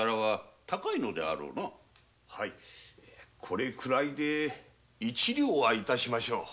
これくらいで一両は致しましょう。